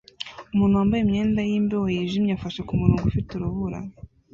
Umuntu wambaye imyenda yimbeho yijimye afashe kumurongo ufite urubura